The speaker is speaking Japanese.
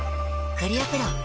クリアプロだＣ。